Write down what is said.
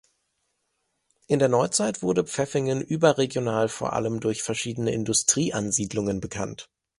In der Neuzeit wurde Pfäffingen überregional vor allem durch verschiedene Industrieansiedlungen bekannt.